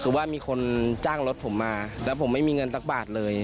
คือว่ามีคนจ้างรถผมมาแล้วผมไม่มีเงินสักบาทเลย